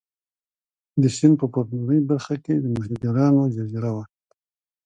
د سیند په پورتنۍ برخه کې د ماهیګیرانو جزیره وه.